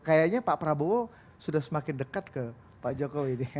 kayaknya pak prabowo sudah semakin dekat ke pak jokowi